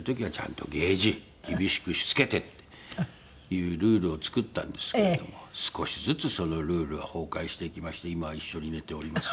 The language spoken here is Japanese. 厳しくしつけてっていうルールを作ったんですけれども少しずつそのルールは崩壊していきまして今は一緒に寝ております。